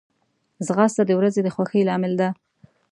ځغاسته د ورځې د خوښۍ لامل ده